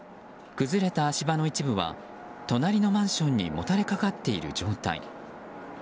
崩れた足場の一部は隣のマンションにもたれかかっている状態。